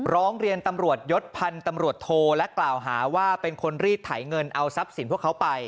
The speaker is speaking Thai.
ร้องเรียนตำรวจยศพันธุ์ตำรวจโทและกล่าวหาว่าเป็นคนรีดไถเงินเอาทรัพย์สินพวกเขาไป